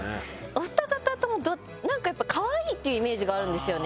おふた方ともかわいいっていうイメージがあるんですよね